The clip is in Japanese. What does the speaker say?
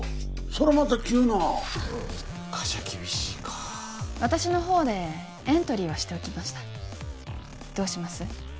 そりゃまた急な３日じゃ厳しいか私のほうでエントリーはしておきましたどうします？